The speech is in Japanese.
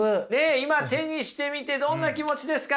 今手にしてみてどんな気持ちですか？